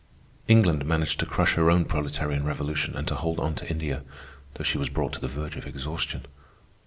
England managed to crush her own proletarian revolution and to hold on to India, though she was brought to the verge of exhaustion.